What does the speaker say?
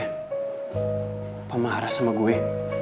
apa marah sama gue